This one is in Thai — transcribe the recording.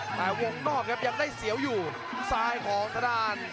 แต่วงนอกครับยังได้เสียวอยู่ซ้ายของทางด้าน